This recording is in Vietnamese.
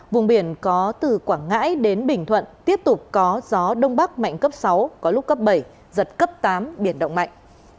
vùng biển có từ quảng ngãi đến bình thuận tiếp tục có gió đông bắc mạnh cấp sáu có lúc cấp bảy giật cấp tám biển động mạnh